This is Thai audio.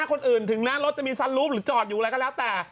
คนอื่นถึงแม้รถจะมีสลูปหรือจอดอยู่อะไรก็แล้วแต่